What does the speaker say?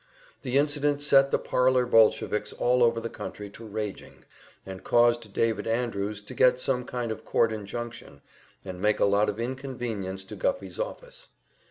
The incident set the parlor Bolsheviks all over the country to raging, and caused David Andrews to get some kind of court injunction, and make a lot of inconvenience to Guffey's office.